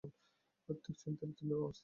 প্রত্যেক চিন্তার তিনটি অবস্থা আছে।